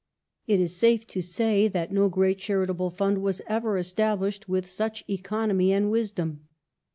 It is safe to say that no great charitable fund was ever administered with such economy and wisdom.